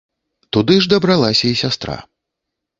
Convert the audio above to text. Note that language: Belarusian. Туды ж дабралася і сястра.